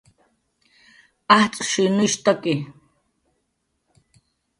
ajtz'shuynushtaki